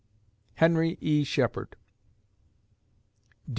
HENRY E. SHEPHERD _D.